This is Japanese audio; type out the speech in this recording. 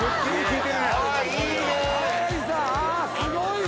すごいね！